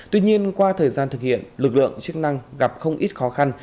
tuy nhiên qua thời gian thực hiện lực lượng chức năng gặp không ít khó khăn